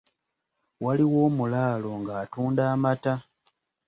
Waliwo omulaalo ng’atunda amata.